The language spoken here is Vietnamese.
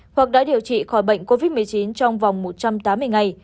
hoặc đã điều trị khỏi bệnh covid một mươi chín trong vòng một trăm tám mươi ngày